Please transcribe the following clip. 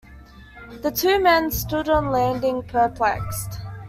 The two men stood on the landing perplexed.